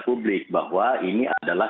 publik bahwa ini adalah